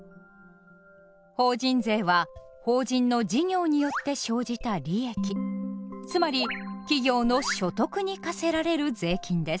法人税は法人の事業によって生じた利益つまり企業の所得に課せられる税金です。